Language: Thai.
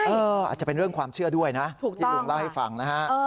อาจจะเป็นเรื่องความเชื่อด้วยนะที่ลุงเล่าให้ฟังนะฮะ